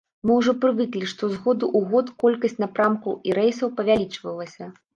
Мы ўжо прывыклі, што з году ў год колькасць напрамкаў і рэйсаў павялічвалася.